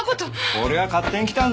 俺が勝手に来たんだよ